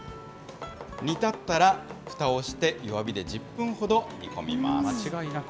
煮立ったらふたをして、弱火で１０分ほど煮込みます。